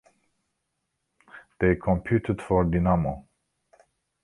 They competed for Dynamo.